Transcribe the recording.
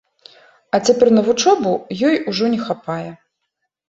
А цяпер на вучобу ёй ўжо не хапае.